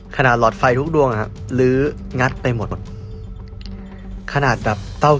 ขนาดหลอดไฟทุกดวงนะคะลื้องัดไปหมดกระดาษตาล